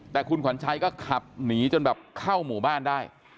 แต่คุณขวัญชัยก็ขับหนีจนแบบเข้าหมู่บ้านได้